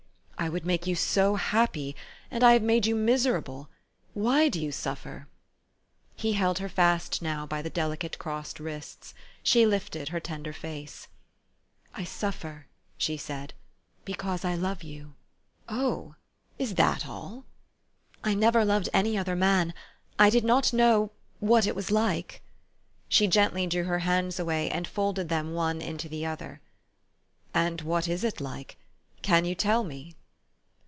" I would make you so happy ; and I have made you miserable ! Why do you suffer? " He held her fast now by the delicate crossed wrists. She lifted her tender face. " I suffer/' she said, " because I love you." "Oh! Is that an?" " I never loved any other man. I did not know what it was like." She gently drew her hands away, and folded them one into the other. <' And what is it like ? Can you tell me